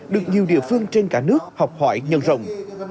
được nhiều địa phương trên cả nước học hỏi nhân rộng